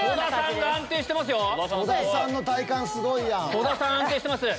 戸田さんが安定してますよ。